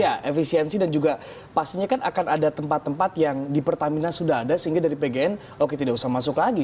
ya efisiensi dan juga pastinya kan akan ada tempat tempat yang di pertamina sudah ada sehingga dari pgn oke tidak usah masuk lagi